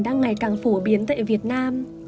đang ngày càng phổ biến tại việt nam